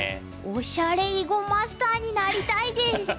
おしゃれ囲碁マスターになりたいです！